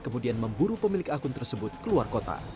kemudian memburu pemilik akun tersebut keluar kota